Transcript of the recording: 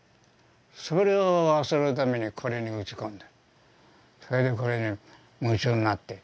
それを忘れるためにこれに打ち込んだ。